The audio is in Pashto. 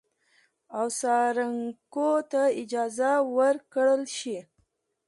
او څارونکو ته اجازه ورکړل شي